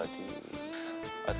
kan kayak aku